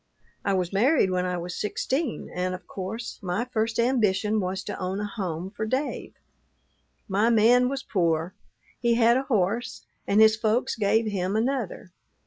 "I was married when I was sixteen, and of course, my first ambition was to own a home for Dave. My man was poor. He had a horse, and his folks gave him another.